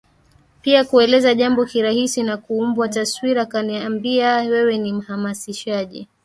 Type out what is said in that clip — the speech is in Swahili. pia kueleza jambo kirahisi na kuumba taswira Akaniambia wewe ni mhamasishaji